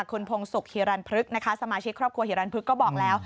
คุณพงศกฮิรันพฤกษ์นะคะสมาชิกครอบครัวฮิรันพึกก็บอกแล้ว